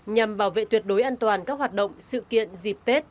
nhằm bảo vệ tuyệt đối an toàn các hoạt động sự kiện dịp tết